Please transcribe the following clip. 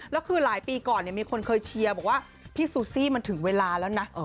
แล้วคือหลายปีก่อนมีคนเคยเชียร์บอกว่าพี่ซูซี่มันถึงเวลาแล้วนะ